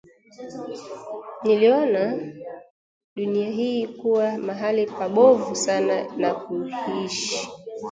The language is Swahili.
Niliona dunia hii kuwa mahali pabovu sana na kuishi